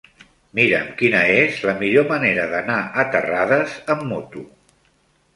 Mira'm quina és la millor manera d'anar a Terrades amb moto.